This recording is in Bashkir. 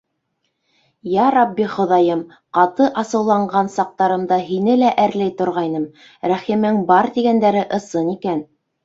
— Ярабби Хоҙайым, ҡаты асыуланған саҡтарымда һине лә әрләй торғайным, рәхимең бар тигәндәре ысын икән.